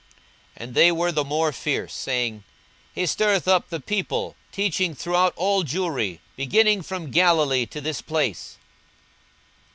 42:023:005 And they were the more fierce, saying, He stirreth up the people, teaching throughout all Jewry, beginning from Galilee to this place.